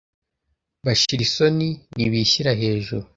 bashira isoni n bishyira hejuru